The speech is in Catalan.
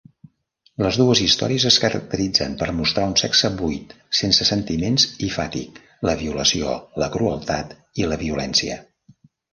Les dues històries es caracteritzen per mostrar un sexe buit, sense sentiments i fàtic; la violació, la crueltat i la violència.